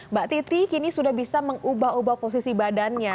mbak titi kini sudah bisa mengubah ubah posisi badannya